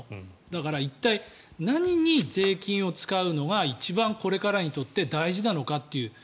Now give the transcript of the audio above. だから一体、何に税金を使うのが一番これからにとって大事なのかという。